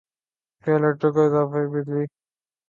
کے الیکٹرک کو اضافی بجلی گیس کی فراہمی کے قانونی تقاضے تعطل کا شکار